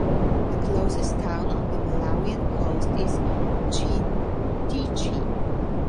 The closest town on the Malawian coast is Chintheche.